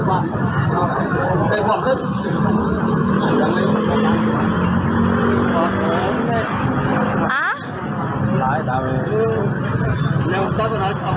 โอ้โหดูฮะครูไปฉมครับ